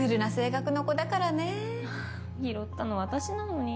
拾ったの私なのに。